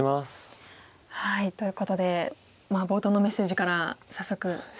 ということで冒頭のメッセージから早速。